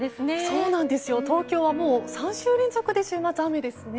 そうなんです、東京は３週連続で週末が雨です。